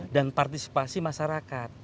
dan partisipasi masyarakat